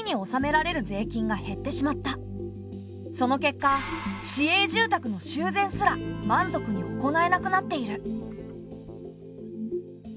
その結果市営住宅の修繕すら満足に行えなくなっている。